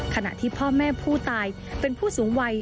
ขณะที่พ่อแม่ผู้ตายเป็นผู้สูงวัย